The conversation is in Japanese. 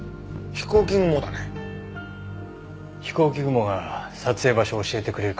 飛行機雲が撮影場所を教えてくれるかもしれません。